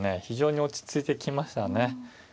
非常に落ち着いてきましたね。